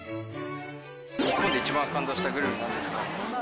日本で一番感動したグルメはなんですか？